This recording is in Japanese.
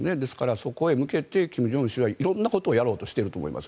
そこへ向けて金正恩氏は色んなことをしようとしていると思います。